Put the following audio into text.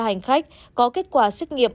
hành khách có kết quả xét nghiệm